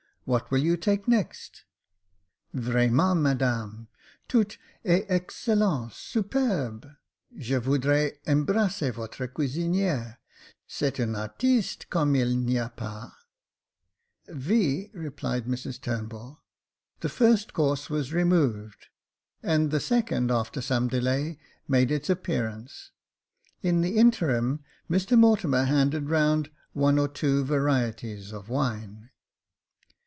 What will you take next ?" "Vraiment, Madame, tout est excellent, superbe ! Je voudrais embrasser votre cuisinier — c'est un artiste comme il n'y a pas ?"" Ve,'' replied Mrs Turnbull. The first course was removed j and the second, after some delay, made its appearance. In the interim, Mr Mortimer handed round one or two varieties of wine.